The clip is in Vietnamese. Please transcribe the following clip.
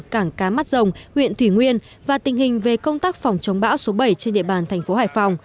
cảng cá mắt rồng huyện thủy nguyên và tình hình về công tác phòng chống bão số bảy trên địa bàn thành phố hải phòng